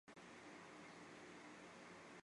教父早期宗教作家及宣教师的统称。